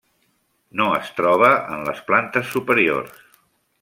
No es troba en les plantes superiors.